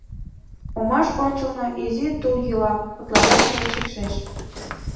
Омаш ончылно изи тул йӱла, утларакше шикшеш.